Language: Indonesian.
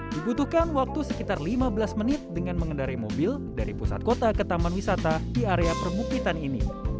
dibutuhkan waktu sekitar lima belas menit dengan mengendari mobil dari pusat kota ke taman wisata di area perbukitan ini